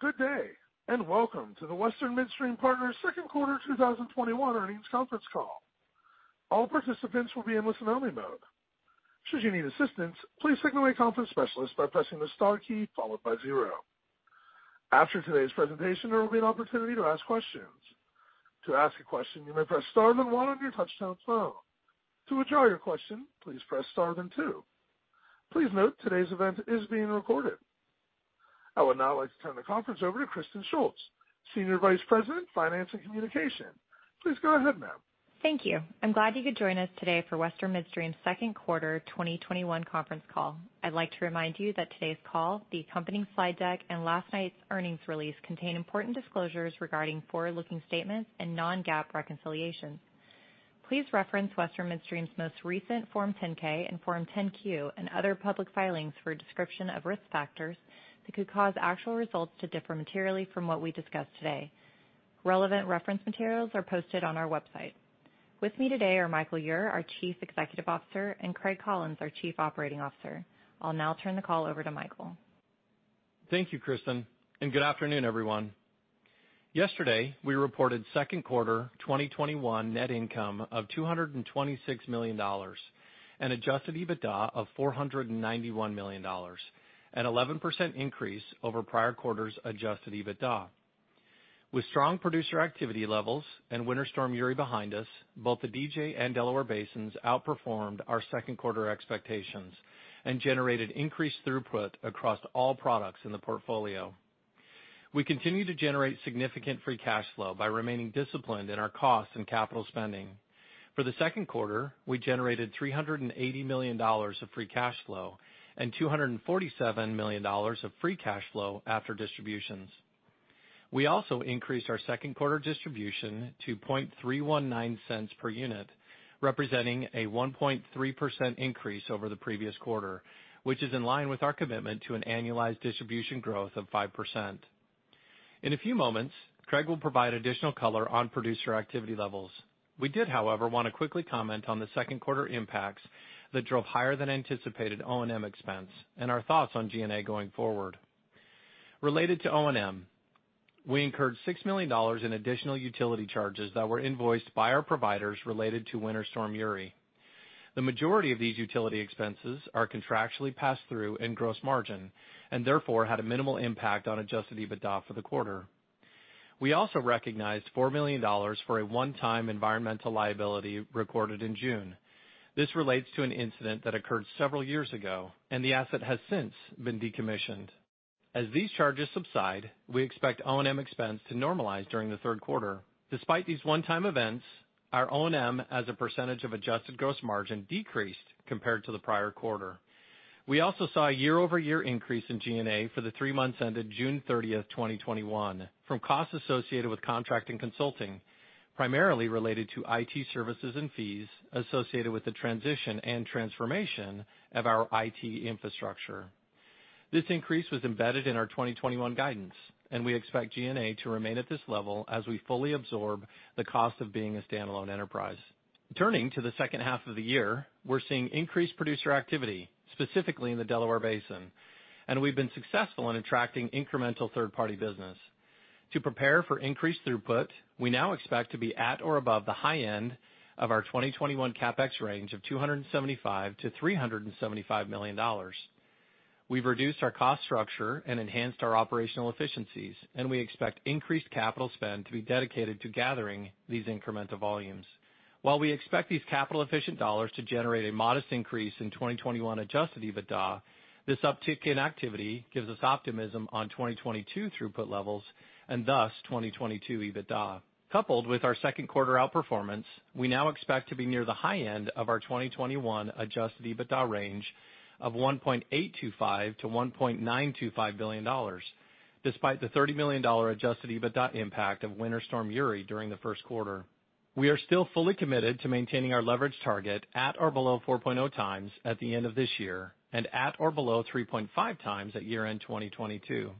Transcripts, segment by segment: Good day, and welcome to the Western Midstream Partners second quarter 2021 earnings conference call. All participants will be in listen-only mode. After today's presentation, there will be an opportunity to ask questions. Please note today's event is being recorded. I would now like to turn the conference over to Kristen Shults, Senior Vice President, Finance and Communication. Please go ahead, ma'am. Thank you. I'm glad you could join us today for Western Midstream's second quarter 2021 conference call. I'd like to remind you that today's call, the accompanying slide deck and last night's earnings release contain important disclosures regarding forward-looking statements and non-GAAP reconciliations. Please reference Western Midstream's most recent Form 10-K and Form 10-Q and other public filings for a description of risk factors that could cause actual results to differ materially from what we discuss today. Relevant reference materials are posted on our website. With me today are Michael Ure, our Chief Executive Officer, and Craig Collins, our Chief Operating Officer. I'll now turn the call over to Michael. Thank you, Kristen, and good afternoon, everyone. Yesterday, we reported second quarter 2021 net income of $226 million and adjusted EBITDA of $491 million, an 11% increase over prior quarter's adjusted EBITDA. With strong producer activity levels and Winter Storm Uri behind us, both the DJ and Delaware Basins outperformed our second quarter expectations and generated increased throughput across all products in the portfolio. We continue to generate significant free cash flow by remaining disciplined in our costs and capital spending. For the second quarter, we generated $380 million of free cash flow and $247 million of free cash flow after distributions. We also increased our second quarter distribution to $0.00319 per unit, representing a 1.3% increase over the previous quarter, which is in line with our commitment to an annualized distribution growth of 5%. In a few moments, Craig will provide additional color on producer activity levels. We did, however, want to quickly comment on the second quarter impacts that drove higher than anticipated O&M expense and our thoughts on G&A going forward. Related to O&M, we incurred $6 million in additional utility charges that were invoiced by our providers related to Winter Storm Uri. The majority of these utility expenses are contractually passed through in gross margin, and therefore had a minimal impact on adjusted EBITDA for the quarter. We also recognized $4 million for a one-time environmental liability recorded in June. This relates to an incident that occurred several years ago, and the asset has since been decommissioned. As these charges subside, we expect O&M expense to normalize during the third quarter. Despite these one-time events, our O&M as a percentage of adjusted gross margin decreased compared to the prior quarter. We also saw a year-over-year increase in G&A for the three months ended June 30, 2021, from costs associated with contract and consulting, primarily related to IT services and fees associated with the transition and transformation of our IT infrastructure. This increase was embedded in our 2021 guidance, and we expect G&A to remain at this level as we fully absorb the cost of being a standalone enterprise. Turning to the second half of the year, we're seeing increased producer activity, specifically in the Delaware Basin, and we've been successful in attracting incremental third-party business. To prepare for increased throughput, we now expect to be at or above the high end of our 2021 CapEx range of $275 million-$375 million. We've reduced our cost structure and enhanced our operational efficiencies, and we expect increased capital spend to be dedicated to gathering these incremental volumes. While we expect these capital-efficient dollars to generate a modest increase in 2021 adjusted EBITDA, this uptick in activity gives us optimism on 2022 throughput levels and thus 2022 EBITDA. Coupled with our 2nd quarter outperformance, we now expect to be near the high end of our 2021 adjusted EBITDA range of $1.825 billion-$1.925 billion, despite the $30 million adjusted EBITDA impact of Winter Storm Uri during the 1st quarter. We are still fully committed to maintaining our leverage target at or below 4.0 times at the end of this year and at or below 3.5 times at year-end 2022.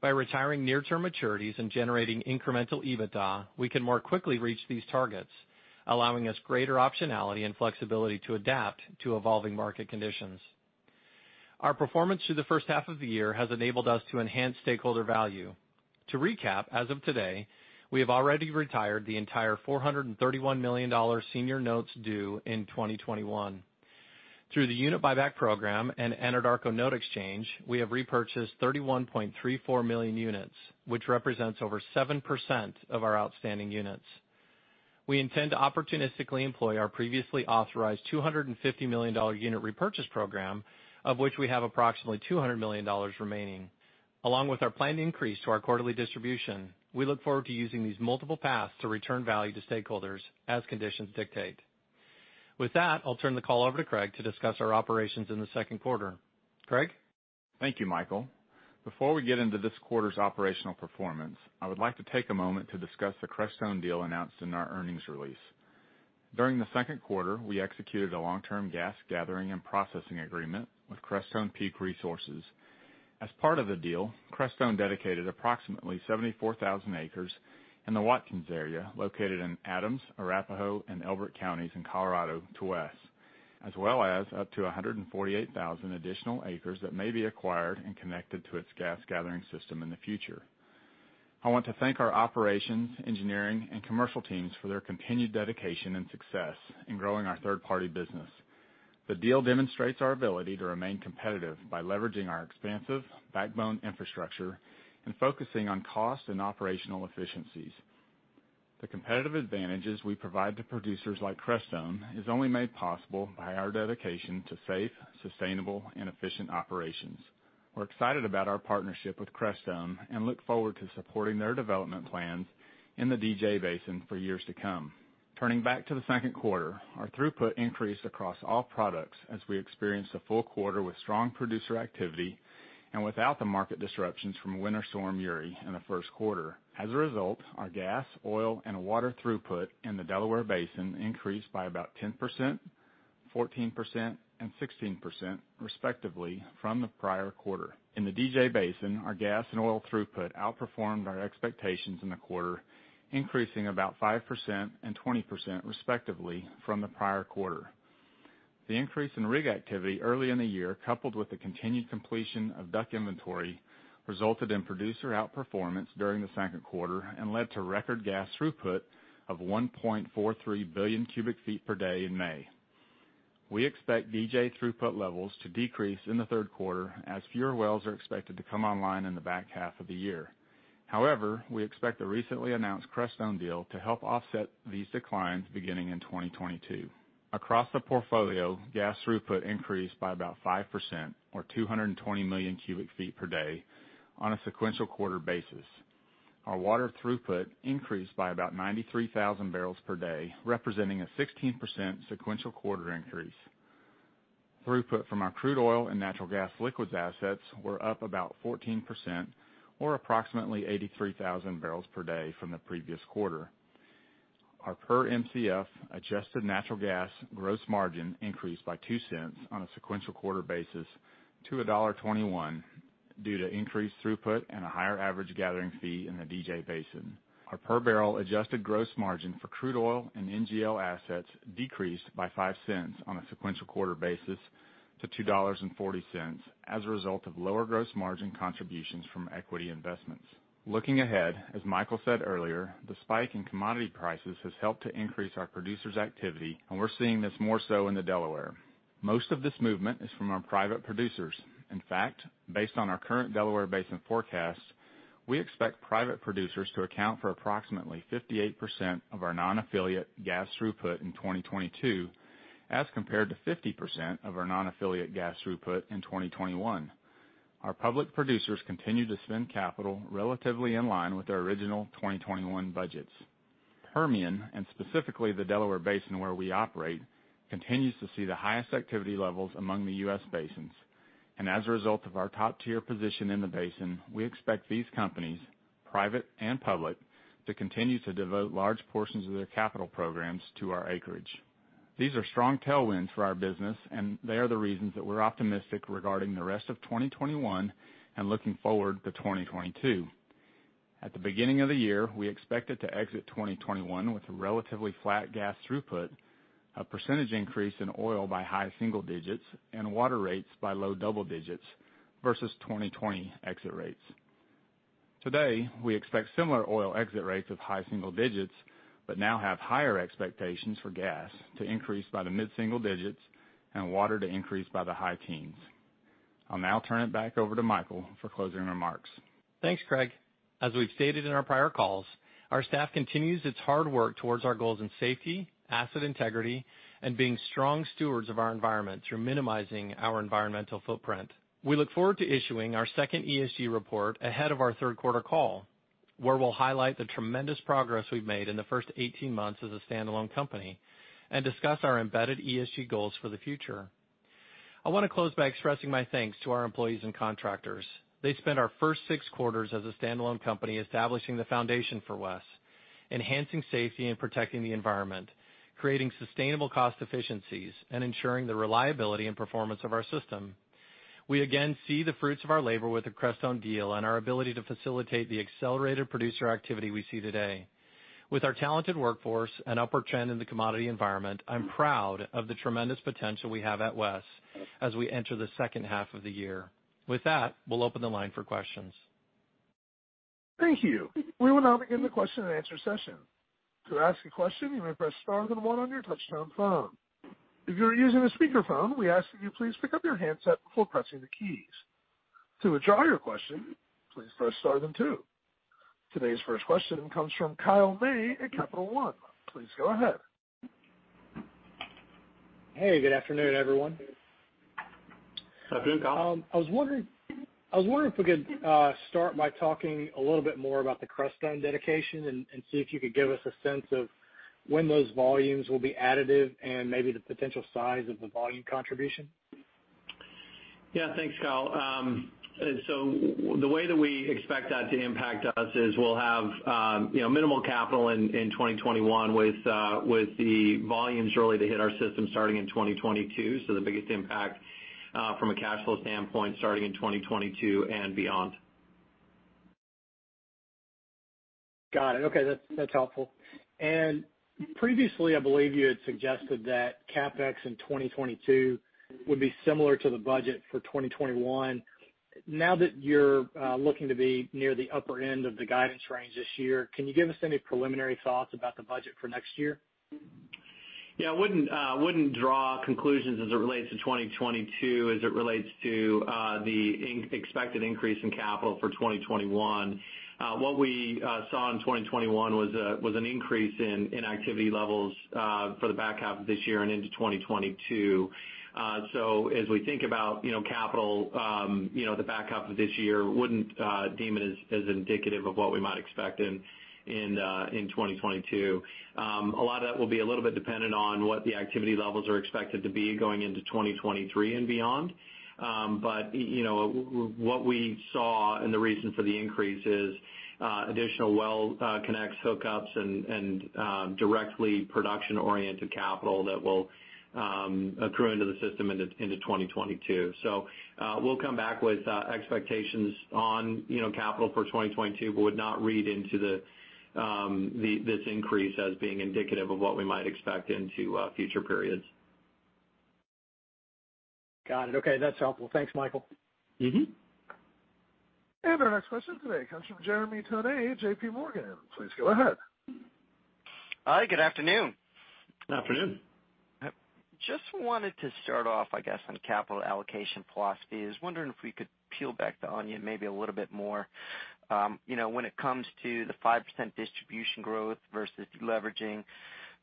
By retiring near-term maturities and generating incremental EBITDA, we can more quickly reach these targets, allowing us greater optionality and flexibility to adapt to evolving market conditions. Our performance through the 1st half of the year has enabled us to enhance stakeholder value. To recap, as of today, we have already retired the entire $431 million senior notes due in 2021. Through the unit buyback program and Anadarko note exchange, we have repurchased 31.34 million units, which represents over 7% of our outstanding units. We intend to opportunistically employ our previously authorized $250 million unit repurchase program, of which we have approximately $200 million remaining. Along with our planned increase to our quarterly distribution, we look forward to using these multiple paths to return value to stakeholders as conditions dictate. With that, I'll turn the call over to Craig to discuss our operations in the second quarter. Craig? Thank you, Michael. Before we get into this quarter's operational performance, I would like to take a moment to discuss the Crestone deal announced in our earnings release. During the second quarter, we executed a long-term gas gathering and processing agreement with Crestone Peak Resources. As part of the deal, Crestone dedicated approximately 74,000 acres in the Watkins area, located in Adams, Arapahoe, and Elbert Counties in Colorado to us, as well as up to 148,000 additional acres that may be acquired and connected to its gas gathering system in the future. I want to thank our operations, engineering, and commercial teams for their continued dedication and success in growing our third-party business. The deal demonstrates our ability to remain competitive by leveraging our expansive backbone infrastructure and focusing on cost and operational efficiencies. The competitive advantages we provide to producers like Crestone is only made possible by our dedication to safe, sustainable, and efficient operations. We're excited about our partnership with Crestone and look forward to supporting their development plans in the DJ Basin for years to come. Turning back to the second quarter, our throughput increased across all products as we experienced a full quarter with strong producer activity and without the market disruptions from Winter Storm Uri in the first quarter. As a result, our gas, oil, and water throughput in the Delaware Basin increased by about 10%, 14%, and 16%, respectively, from the prior quarter. In the DJ Basin, our gas and oil throughput outperformed our expectations in the quarter, increasing about 5% and 20%, respectively, from the prior quarter. The increase in rig activity early in the year, coupled with the continued completion of DUC inventory, resulted in producer outperformance during the second quarter and led to record gas throughput of 1.43 billion cubic feet per day in May. We expect DJ throughput levels to decrease in the third quarter as fewer wells are expected to come online in the back half of the year. We expect the recently announced Crestone deal to help offset these declines beginning in 2022. Across the portfolio, gas throughput increased by about 5% or 220 million cubic feet per day on a sequential quarter basis. Our water throughput increased by about 93,000 barrels per day, representing a 16% sequential quarter increase. Throughput from our crude oil and natural gas liquids assets were up about 14% or approximately 83,000 barrels per day from the previous quarter. Our per MCF adjusted natural gas gross margin increased by $0.02 on a sequential quarter basis to $1.21 due to increased throughput and a higher average gathering fee in the DJ Basin. Our per-barrel adjusted gross margin for crude oil and NGL assets decreased by $0.05 on a sequential quarter basis to $2.40 as a result of lower gross margin contributions from equity investments. Looking ahead, as Michael said earlier, the spike in commodity prices has helped to increase our producers' activity, and we're seeing this more so in the Delaware. Most of this movement is from our private producers. In fact, based on our current Delaware Basin forecast, we expect private producers to account for approximately 58% of our non-affiliate gas throughput in 2022 as compared to 50% of our non-affiliate gas throughput in 2021. Our public producers continue to spend capital relatively in line with their original 2021 budgets. Permian, and specifically the Delaware Basin where we operate, continues to see the highest activity levels among the U.S. basins. As a result of our top-tier position in the basin, we expect these companies, private and public, to continue to devote large portions of their capital programs to our acreage. These are strong tailwinds for our business, and they are the reasons that we're optimistic regarding the rest of 2021 and looking forward to 2022. At the beginning of the year, we expected to exit 2021 with relatively flat gas throughput, a percentage increase in oil by high single digits, and water rates by low double digits versus 2020 exit rates. Today, we expect similar oil exit rates of high single digits, but now have higher expectations for gas to increase by the mid-single digits and water to increase by the high teens. I'll now turn it back over to Michael for closing remarks. Thanks, Craig. As we've stated in our prior calls, our staff continues its hard work towards our goals in safety, asset integrity, and being strong stewards of our environment through minimizing our environmental footprint. We look forward to issuing our second ESG report ahead of our third quarter call, where we'll highlight the tremendous progress we've made in the first 18 months as a standalone company and discuss our embedded ESG goals for the future. I want to close by expressing my thanks to our employees and contractors. They spent our first six quarters as a standalone company establishing the foundation for WES, enhancing safety and protecting the environment, creating sustainable cost efficiencies, and ensuring the reliability and performance of our system. We again see the fruits of our labor with the Crestone deal and our ability to facilitate the accelerated producer activity we see today. With our talented workforce and upward trend in the commodity environment, I'm proud of the tremendous potential we have at WES as we enter the second half of the year. With that, we'll open the line for questions. Thank you. We will now begin the question and answer session. To ask a question, you may press star then one on your touchtone phone. If you are using a speakerphone, we ask that you please pick up your handset before pressing the keys. To withdraw your question, please press star then two. Today's first question comes from Kyle May at Capital One. Please go ahead. Hey, good afternoon, everyone. Afternoon, Kyle. I was wondering if we could start by talking a little bit more about the Crestone dedication and see if you could give us a sense of when those volumes will be additive and maybe the potential size of the volume contribution. Yeah, thanks, Kyle. The way that we expect that to impact us is we'll have minimal capital in 2021 with the volumes really to hit our system starting in 2022. The biggest impact from a cash flow standpoint starting in 2022 and beyond. Got it. Okay. That's helpful. Previously, I believe you had suggested that CapEx in 2022 would be similar to the budget for 2021. Now that you're looking to be near the upper end of the guidance range this year, can you give us any preliminary thoughts about the budget for next year? Yeah, I wouldn't draw conclusions as it relates to 2022 as it relates to the expected increase in capital for 2021. What we saw in 2021 was an increase in activity levels for the back half of this year and into 2022. As we think about capital, the back half of this year wouldn't deem it as indicative of what we might expect in 2022. A lot of that will be a little bit dependent on what the activity levels are expected to be going into 2023 and beyond. What we saw and the reason for the increase is additional well connects, hookups, and directly production-oriented capital that will accrue into the system into 2022. We'll come back with expectations on capital for 2022, but would not read into this increase as being indicative of what we might expect into future periods. Got it. Okay. That's helpful. Thanks, Michael. Our next question today comes from Jeremy Tonet at JPMorgan. Please go ahead. Hi, good afternoon. Afternoon. Just wanted to start off, I guess, on capital allocation philosophy. I was wondering if we could peel back the onion maybe a little bit more. When it comes to the 5% distribution growth versus de-leveraging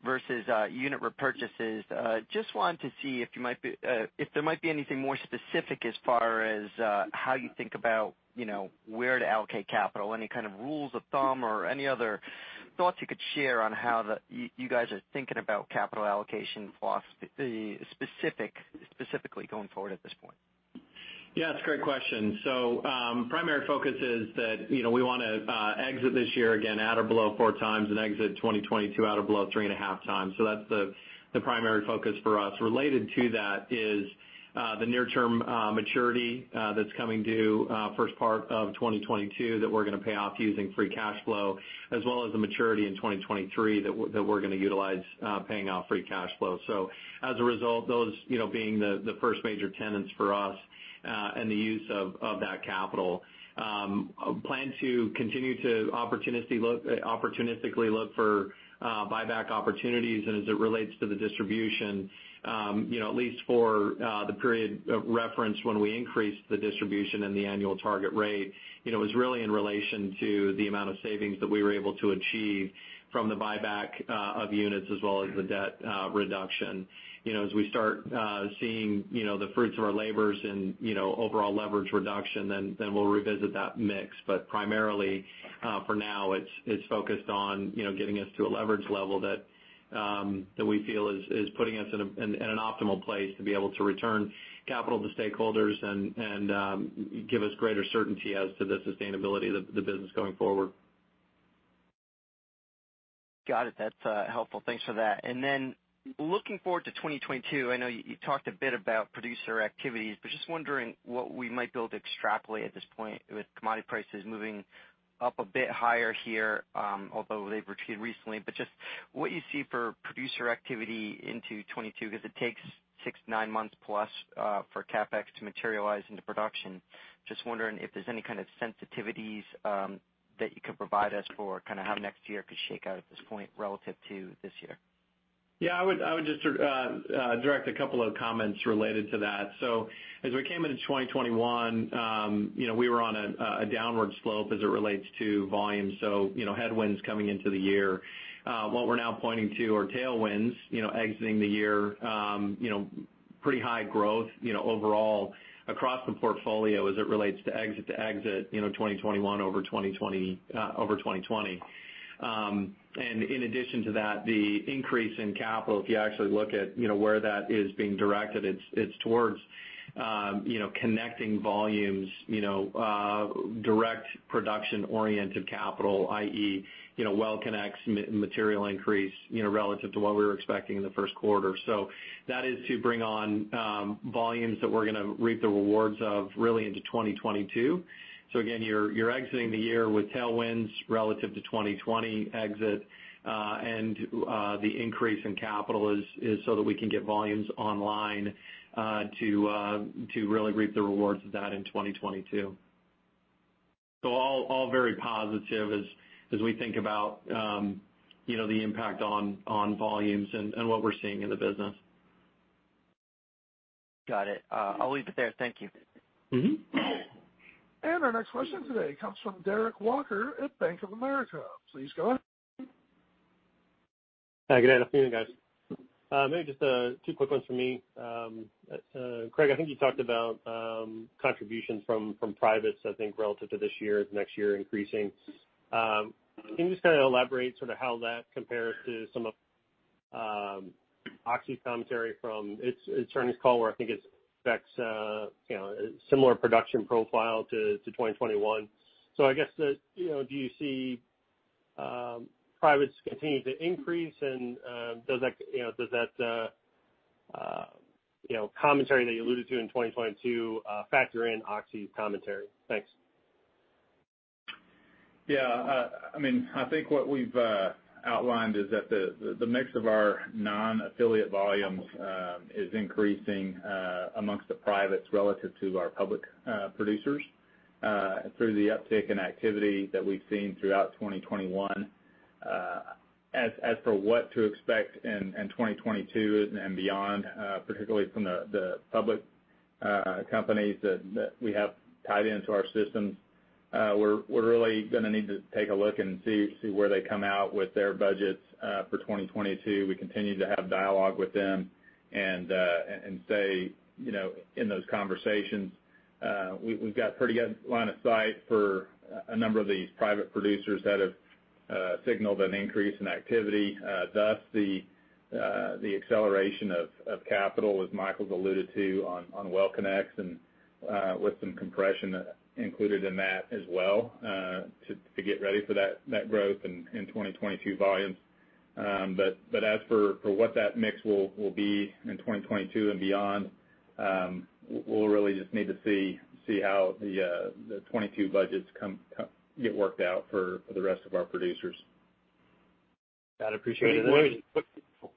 versus unit repurchases, just wanted to see if there might be anything more specific as far as how you think about where to allocate capital. Any kind of rules of thumb or any other thoughts you could share on how you guys are thinking about capital allocation philosophy specifically going forward at this point? Yeah, it's a great question. Primary focus is that we want to exit this year, again, at or below four times and exit 2022 at or below three and a half times. That's the primary focus for us. Related to that is the near-term maturity that's coming due first part of 2022 that we're going to pay off using free cash flow, as well as the maturity in 2023 that we're going to utilize paying off free cash flow. As a result, those being the first major tenets for us, and the use of that capital. Plan to continue to opportunistically look for buyback opportunities. As it relates to the distribution, at least for the period of reference when we increased the distribution and the annual target rate, it was really in relation to the amount of savings that we were able to achieve from the buyback of units as well as the debt reduction. As we start seeing the fruits of our labors in overall leverage reduction, then we'll revisit that mix. Primarily, for now, it's focused on getting us to a leverage level that we feel is putting us in an optimal place to be able to return capital to stakeholders and give us greater certainty as to the sustainability of the business going forward. Got it. That's helpful. Thanks for that. Looking forward to 2022, I know you talked a bit about producer activities, just wondering what we might be able to extrapolate at this point with commodity prices moving up a bit higher here, although they've retreated recently. Just what you see for producer activity into 2022, because it takes six-nine months plus for CapEx to materialize into production. Just wondering if there's any kind of sensitivities that you could provide us for how next year could shake out at this point relative to this year. Yeah, I would just direct a couple of comments related to that. As we came into 2021, we were on a downward slope as it relates to volume, so headwinds coming into the year. What we're now pointing to are tailwinds exiting the year. Pretty high growth overall across the portfolio as it relates to exit to exit 2021 over 2020. In addition to that, the increase in capital, if you actually look at where that is being directed, it's towards connecting volumes, direct production-oriented capital, i.e., well connects, material increase relative to what we were expecting in the first quarter. That is to bring on volumes that we're going to reap the rewards of really into 2022. Again, you're exiting the year with tailwinds relative to 2020 exit. The increase in capital is so that we can get volumes online to really reap the rewards of that in 2022. All very positive as we think about the impact on volumes and what we're seeing in the business. Got it. I'll leave it there. Thank you. Our next question today comes from Derek Walker at Bank of America. Please go ahead. Hi, good afternoon, guys. Maybe just two quick ones from me. Craig, I think you talked about contributions from privates, I think relative to this year, next year increasing. Can you just kind of elaborate sort of how that compares to some of Oxy's commentary from its earnings call where I think it affects a similar production profile to 2021. I guess, do you see privates continue to increase and does that commentary that you alluded to in 2022 factor in Oxy's commentary. Thanks. Yeah. I think what we've outlined is that the mix of our non-affiliate volumes is increasing amongst the privates relative to our public producers through the uptick in activity that we've seen throughout 2021. As for what to expect in 2022 and beyond, particularly from the public companies that we have tied into our systems, we're really going to need to take a look and see where they come out with their budgets for 2022. We continue to have dialogue with them and say in those conversations, we've got pretty good line of sight for a number of these private producers that have signaled an increase in activity. Thus, the acceleration of capital, as Michael's alluded to, on well connects and with some compression included in that as well to get ready for that growth in 2022 volumes. as for what that mix will be in 2022 and beyond, we'll really just need to see how the '22 budgets get worked out for the rest of our producers. Got it. Appreciate it. Mike-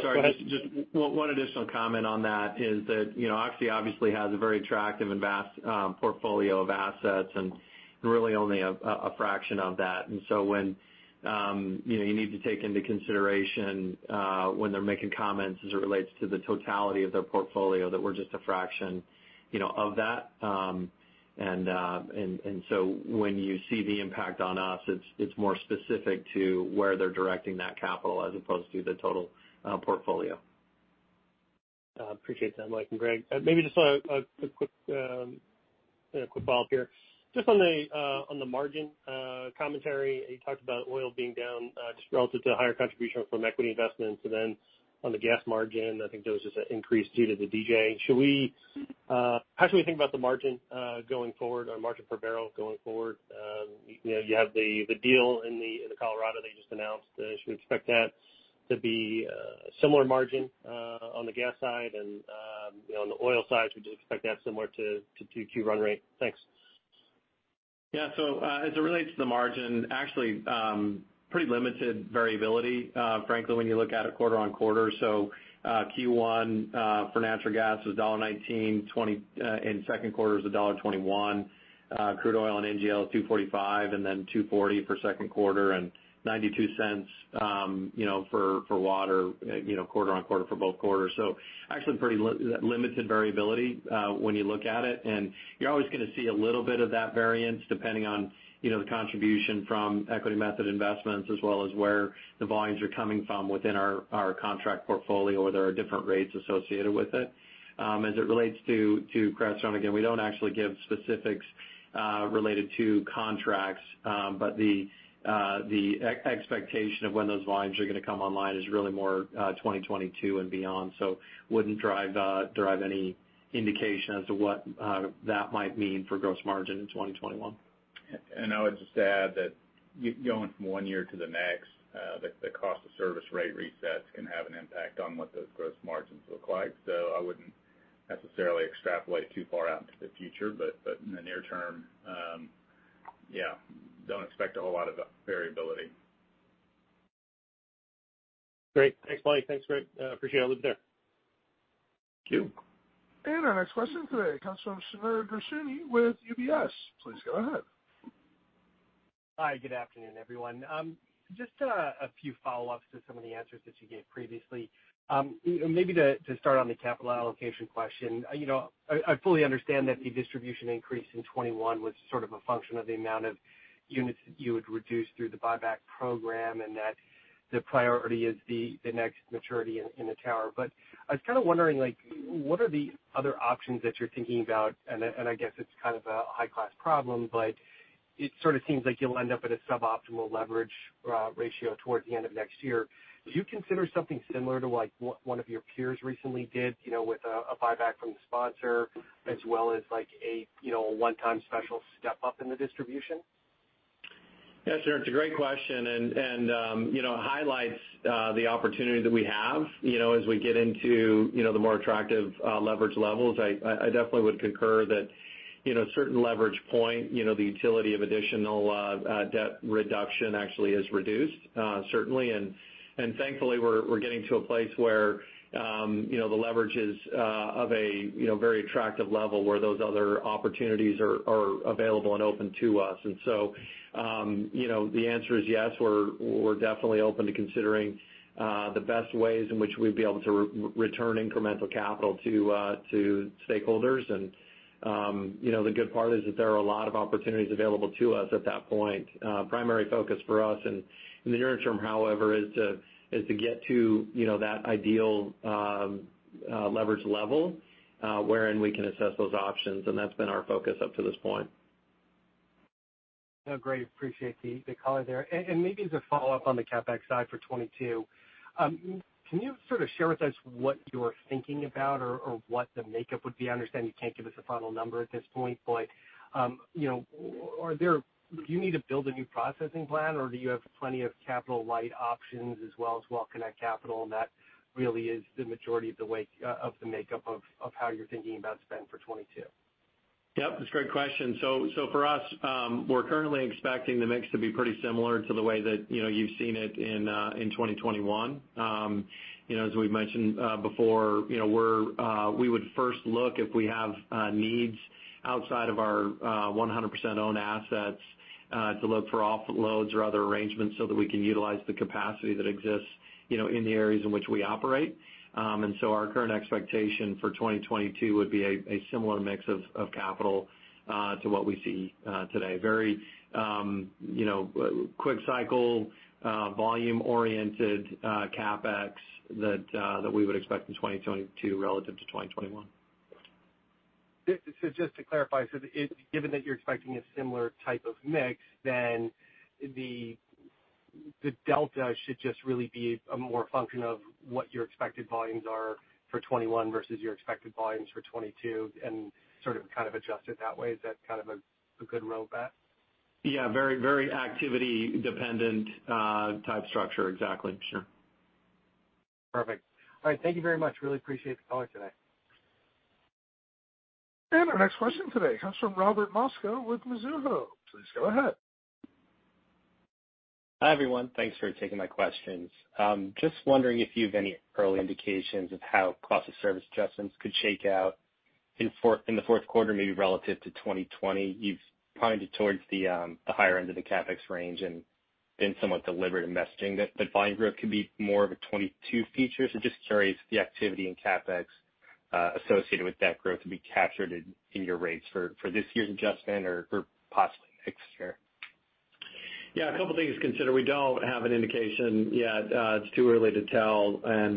Sorry. Go ahead. Just one additional comment on that is that Oxy obviously has a very attractive and vast portfolio of assets, and really only a fraction of that. You need to take into consideration when they're making comments as it relates to the totality of their portfolio, that we're just a fraction of that. When you see the impact on us, it's more specific to where they're directing that capital as opposed to the total portfolio. Appreciate that, Mike and Craig. Maybe just a quick follow-up here. Just on the margin commentary, you talked about oil being down just relative to higher contribution from equity investments. On the gas margin, I think that was just an increase due to the DJ. How should we think about the margin going forward or margin per barrel going forward? You have the deal in the Colorado they just announced. Should we expect that to be a similar margin on the gas side? On the oil side, should we expect that similar to 2Q run rate? Thanks. Yeah. As it relates to the margin, actually, pretty limited variability, frankly, when you look at it quarter-over-quarter. Q1 for natural gas was $1.19, in second quarter is $1.21. Crude oil and NGL is $2.45, and then $2.40 for second quarter, and $0.92 for water, quarter-over-quarter for both quarters. Actually pretty limited variability when you look at it. You're always going to see a little bit of that variance depending on the contribution from equity method investments as well as where the volumes are coming from within our contract portfolio, where there are different rates associated with it. As it relates to Crestone, again, we don't actually give specifics related to contracts. The expectation of when those volumes are going to come online is really more 2022 and beyond. wouldn't derive any indication as to what that might mean for gross margin in 2021. I would just add that going from one year to the next, the cost of service rate resets can have an impact on what those gross margins look like. I wouldn't necessarily extrapolate too far out into the future. In the near term, yeah, don't expect a whole lot of variability. Great. Thanks, Mike. Thanks, Craig. Appreciate all of it there. Thank you. Our next question today comes from Shneur Gershuni with UBS. Please go ahead. Hi. Good afternoon, everyone. Just a few follow-ups to some of the answers that you gave previously. Maybe to start on the capital allocation question. I fully understand that the distribution increase in 2021 was sort of a function of the amount of units that you would reduce through the buyback program, and that the priority is the next maturity in the tower. I was kind of wondering, what are the other options that you're thinking about? I guess it's kind of a high-class problem, but it sort of seems like you'll end up at a suboptimal leverage ratio towards the end of next year. Would you consider something similar to what one of your peers recently did with a buyback from the sponsor as well as a one-time special step-up in the distribution? Yeah, Shneur, it's a great question, and highlights the opportunity that we have as we get into the more attractive leverage levels. I definitely would concur that certain leverage point, the utility of additional debt reduction actually is reduced certainly. Thankfully, we're getting to a place where the leverage is of a very attractive level where those other opportunities are available and open to us. The answer is yes, we're definitely open to considering the best ways in which we'd be able to return incremental capital to stakeholders. The good part is that there are a lot of opportunities available to us at that point. Primary focus for us in the near term, however, is to get to that ideal leverage level wherein we can assess those options, and that's been our focus up to this point. No, great. Appreciate the color there. Maybe as a follow-up on the CapEx side for '22, can you sort of share with us what you're thinking about or what the makeup would be? I understand you can't give us a final number at this point. Do you need to build a new processing plant, or do you have plenty of capital-light options as well as well connect capital, and that really is the majority of the makeup of how you're thinking about spend for '22? Yep, that's a great question. For us, we're currently expecting the mix to be pretty similar to the way that you've seen it in 2021. As we've mentioned before, we would first look if we have needs outside of our 100% owned assets to look for off loads or other arrangements so that we can utilize the capacity that exists in the areas in which we operate. Our current expectation for 2022 would be a similar mix of capital to what we see today, very quick cycle, volume-oriented CapEx that we would expect in 2022 relative to 2021. just to clarify, given that you're expecting a similar type of mix, then the delta should just really be a more function of what your expected volumes are for '21 versus your expected volumes for '22, and sort of, kind of adjust it that way. Is that kind of a good roadmap? Yeah. Very activity dependent type structure. Exactly. Sure. Perfect. All right. Thank you very much. Really appreciate the call today. Our next question today comes from Robert Mosca with Mizuho. Please go ahead. Hi, everyone. Thanks for taking my questions. Just wondering if you have any early indications of how cost of service adjustments could shake out in the fourth quarter, maybe relative to 2020. You've pointed towards the higher end of the CapEx range and been somewhat deliberate in messaging that volume growth could be more of a '22 feature. Just curious if the activity in CapEx associated with that growth will be captured in your rates for this year's adjustment or for possibly next year. Yeah. A couple things to consider. We don't have an indication yet. It's too early to tell and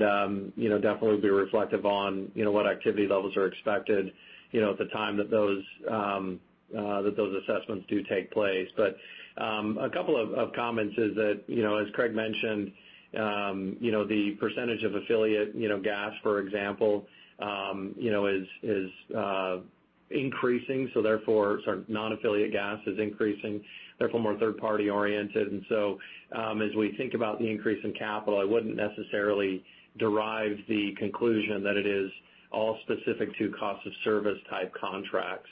definitely will be reflective on what activity levels are expected at the time that those assessments do take place. A couple of comments is that, as Craig mentioned, the percentage of non-affiliate gas, for example, is increasing, therefore more third party oriented. As we think about the increase in capital, I wouldn't necessarily derive the conclusion that it is all specific to cost of service type contracts.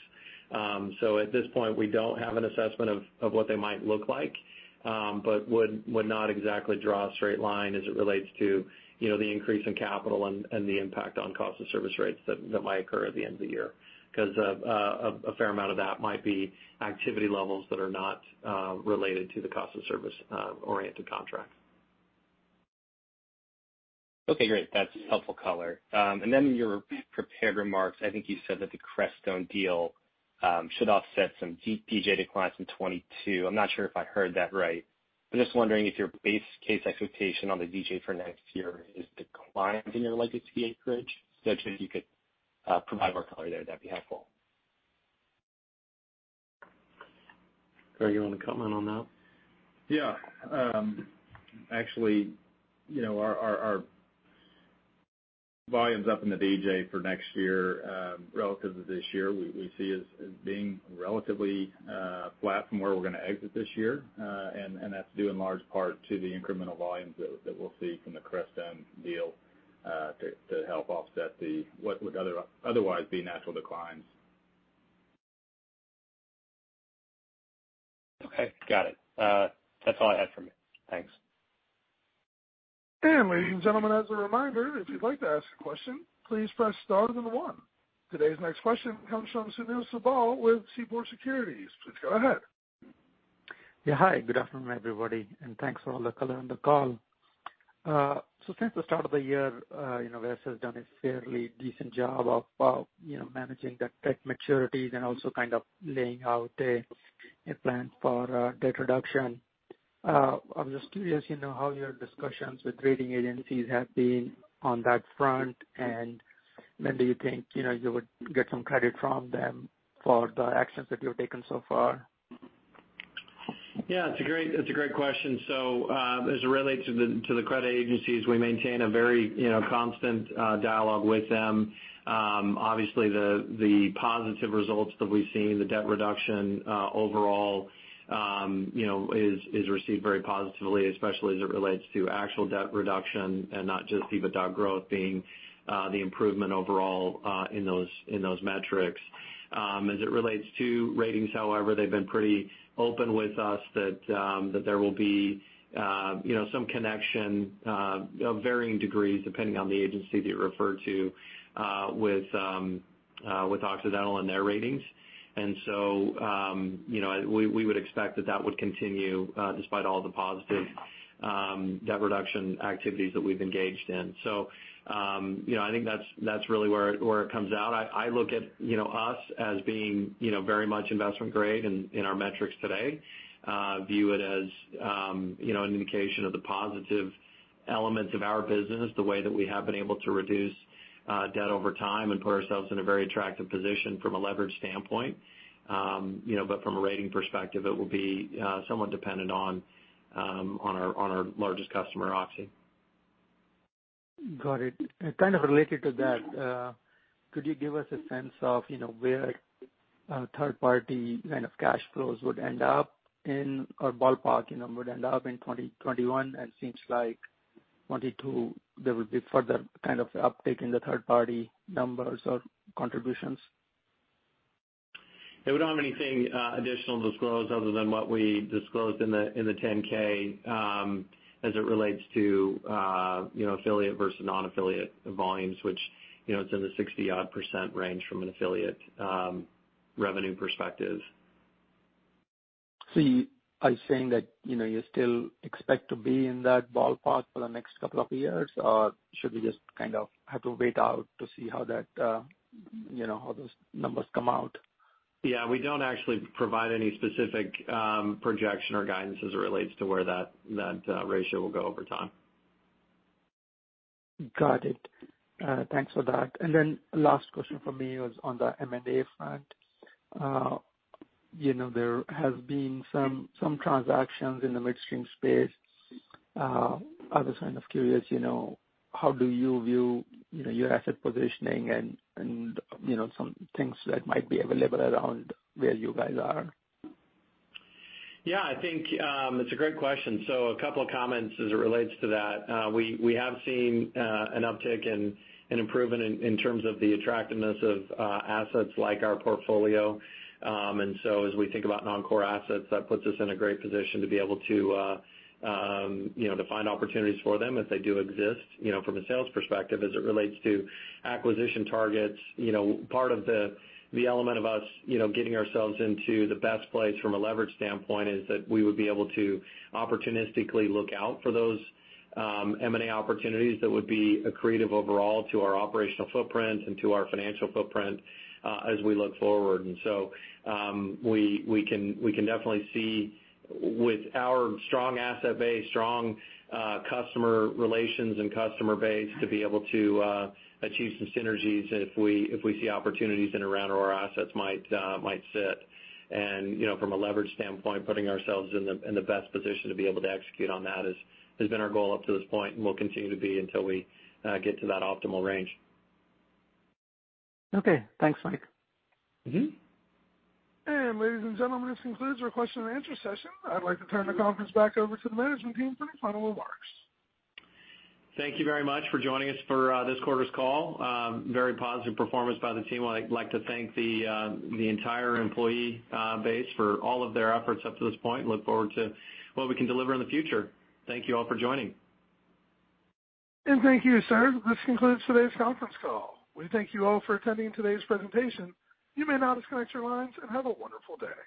At this point, we don't have an assessment of what they might look like. would not exactly draw a straight line as it relates to the increase in capital and the impact on cost of service rates that might occur at the end of the year, because a fair amount of that might be activity levels that are not related to the cost of service-oriented contract. Okay, great. That's helpful color. In your prepared remarks, I think you said that the Crestone deal should offset some DJ declines in '22. I'm not sure if I heard that right, but just wondering if your base case expectation on the DJ for next year is declines in your legacy acreage? If you could provide more color there, that'd be helpful. Craig, you want to comment on that? Yeah. Actually, our volumes up in the DJ for next year relative to this year, we see as being relatively flat from where we're going to exit this year. That's due in large part to the incremental volumes that we'll see from the Crestone deal to help offset what would otherwise be natural declines. Okay, got it. That's all I had for me. Thanks. Ladies and gentlemen, as a reminder, if you'd like to ask a question, please press star then one. Today's next question comes from Sunil Sibal with Seaport Securities. Please go ahead. Yeah. Hi, good afternoon, everybody, and thanks for all the color on the call. since the start of the year WES has done a fairly decent job of managing the debt maturities and also kind of laying out a plan for debt reduction. I'm just curious how your discussions with rating agencies have been on that front. when do you think you would get some credit from them for the actions that you've taken so far? Yeah, it's a great question. As it relates to the credit agencies, we maintain a very constant dialogue with them. Obviously, the positive results that we've seen, the debt reduction overall is received very positively, especially as it relates to actual debt reduction and not just EBITDA growth being the improvement overall in those metrics. As it relates to ratings, however, they've been pretty open with us that there will be some connection of varying degrees, depending on the agency that you're referred to with Occidental and their ratings. We would expect that that would continue despite all the positive debt reduction activities that we've engaged in. I think that's really where it comes out. I look at us as being very much investment grade in our metrics today. View it as an indication of the positive elements of our business, the way that we have been able to reduce debt over time and put ourselves in a very attractive position from a leverage standpoint. From a rating perspective, it will be somewhat dependent on our largest customer, Oxy. Got it. Kind of related to that, could you give us a sense of where third party kind of cash flows would end up in, or ballpark would end up in 2021? since there will be further kind of uptick in the third party numbers or contributions? Yeah, we don't have anything additional disclosed other than what we disclosed in the 10-K as it relates to affiliate versus non-affiliate volumes, which it's in the 60-odd % range from an affiliate revenue perspective. Are you saying that you still expect to be in that ballpark for the next couple of years, or should we just kind of have to wait out to see how those numbers come out? Yeah, we don't actually provide any specific projection or guidance as it relates to where that ratio will go over time. Got it. Thanks for that. Last question from me was on the M&A front. There have been some transactions in the midstream space. I was kind of curious, how do you view your asset positioning and some things that might be available around where you guys are? Yeah, I think it's a great question. A couple of comments as it relates to that. We have seen an uptick and an improvement in terms of the attractiveness of assets like our portfolio. As we think about non-core assets, that puts us in a great position to be able to find opportunities for them if they do exist from a sales perspective as it relates to acquisition targets. Part of the element of us getting ourselves into the best place from a leverage standpoint is that we would be able to opportunistically look out for those M&A opportunities that would be accretive overall to our operational footprint and to our financial footprint as we look forward. We can definitely see with our strong asset base, strong customer relations, and customer base to be able to achieve some synergies if we see opportunities in around where our assets might sit. From a leverage standpoint, putting ourselves in the best position to be able to execute on that has been our goal up to this point, and will continue to be until we get to that optimal range. Okay, thanks, Mike. Ladies and gentlemen, this concludes our question and answer session. I'd like to turn the conference back over to the management team for any final remarks. Thank you very much for joining us for this quarter's call. Very positive performance by the team. I'd like to thank the entire employee base for all of their efforts up to this point. Look forward to what we can deliver in the future. Thank you all for joining. Thank you, sir. This concludes today's conference call. We thank you all for attending today's presentation. You may now disconnect your lines, and have a wonderful day.